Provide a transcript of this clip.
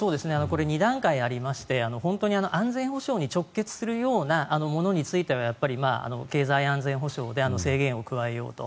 ２段階ありまして安全保障に直結するようなものについてはやっぱり、経済安全保障で制限を加えようと。